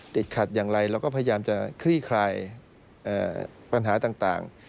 ติดขัดอย่างไรเราก็พยายามจะคลี่คลายปัญหาต่าง